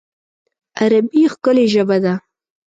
عربي ښکلی ژبه ده